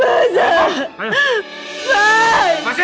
enggak mau mas